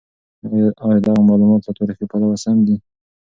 ایا دغه مالومات له تاریخي پلوه سم دي؟